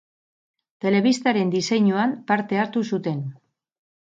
Telebistaren diseinuan parte hartu zuten.